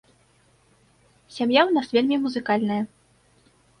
Сям'я ў нас вельмі музыкальная.